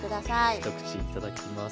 一口いただきます。